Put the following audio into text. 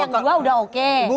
oh jadi yang dua sudah oke